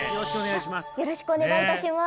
よろしくお願いします。